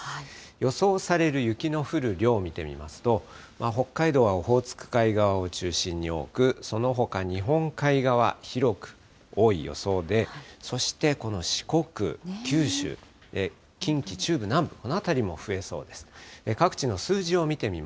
予想される雪の降る量見てみますと、北海道はオホーツク海側を中心に多く、そのほか日本海側、広く多い予想で、そしてこの四国、九州、近畿中部、南部、この辺りも増えそうです。